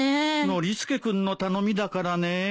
ノリスケ君の頼みだからね。